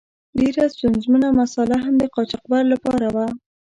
ډیره ستونزمنه مساله هم د قاچاقبر له پاره وه.